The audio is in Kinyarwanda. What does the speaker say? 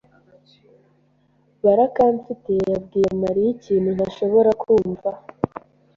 Barakamfitiye yabwiye Mariya ikintu ntashobora kumva.